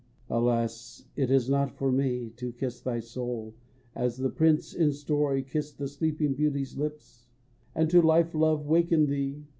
Alas, it is not for me To kiss thy soul, as the prince in story Kissed the Sleeping Beauty's lips, And to a life love waken thee.